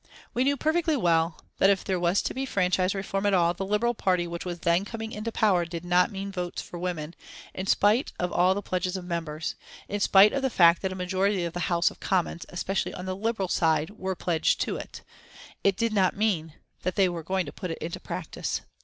We knew perfectly well that if there was to be franchise reform at all, the Liberal party which was then coming into power did not mean Votes for Women, in spite of all the pledges of members; in spite of the fact that a majority of the House of Commons, especially on the Liberal side, were pledged to it it did not mean that they were going to put it into practice.